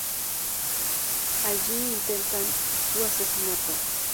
Allí intentan su asesinato.